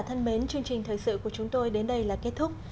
thân mến chương trình thời sự của chúng tôi đến đây là kết thúc